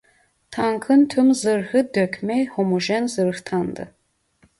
Tankın tüm zırhı dökme homojen zırhtandı.